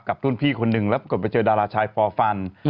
รุ่นพี่คนหนึ่งแล้วปรากฏไปเจอดาราชายฟอร์ฟัน